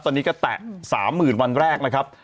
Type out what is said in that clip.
ตอนนี้ก็แตะ๓๐๐๐วันแรกนะครับ